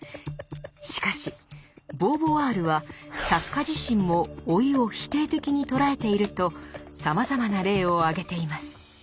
しかしボーヴォワールは作家自身も老いを否定的に捉えているとさまざまな例を挙げています。